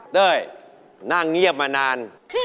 เต้ยนั่งเงียบมานาน